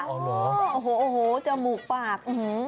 โอโหโหจมูกปาก